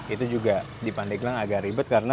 itu juga di pandeglang agak ribet karena